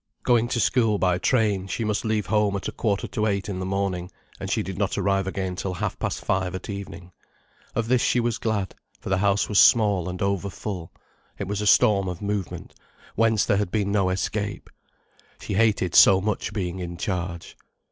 Going to school by train, she must leave home at a quarter to eight in the morning, and she did not arrive again till half past five at evening. Of this she was glad, for the house was small and overful. It was a storm of movement, whence there had been no escape. She hated so much being in charge.